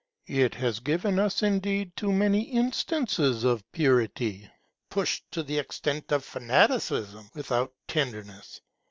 It has given us indeed too many instances of purity, pushed to the extent of fanaticism, without tenderness.